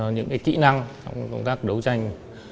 những kỹ năng trong công tác đấu tranh